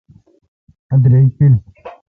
ا دریک پیل۔